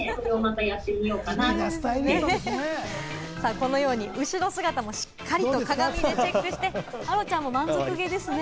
このように後ろ姿もしっかりと鏡でチェックして、アロちゃんも満足げですね。